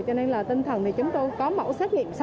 cho nên là tinh thần thì chúng tôi có mẫu xét nghiệm sars cov hai